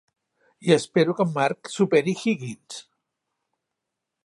I espero que en Marc superi Higgins!